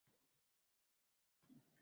Isyon qilar